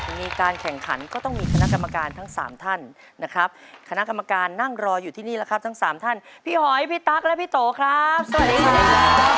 มีการแข่งขันก็ต้องมีคณะกรรมการทั้งสามท่านนะครับคณะกรรมการนั่งรออยู่ที่นี่แล้วครับทั้งสามท่านพี่หอยพี่ตั๊กและพี่โตครับสวัสดีครับ